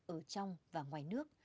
ở trong và ngoài nước